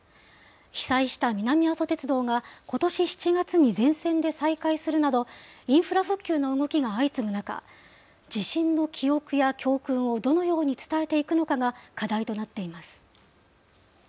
被災した南阿蘇鉄道が、ことし７月に全線で再開するなど、インフラ復旧の動きが相次ぐ中、地震の記憶や教訓をどのように伝えていくのかが課題となっています。